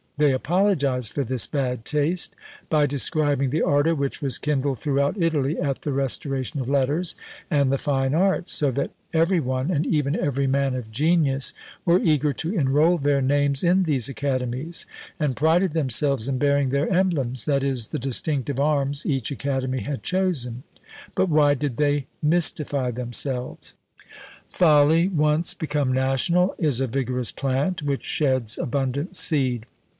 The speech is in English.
They apologise for this bad taste, by describing the ardour which was kindled throughout Italy at the restoration of letters and the fine arts, so that every one, and even every man of genius, were eager to enrol their names in these academies, and prided themselves in bearing their emblems, that is, the distinctive arms each academy had chosen. But why did they mystify themselves? Folly, once become national, is a vigorous plant, which sheds abundant seed.